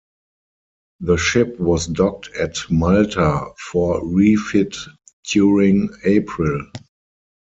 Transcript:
The ship was docked at Malta for refit during April.